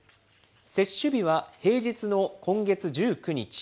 接種日は平日の今月１９日。